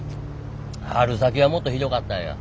春先はもっとひどかったんや。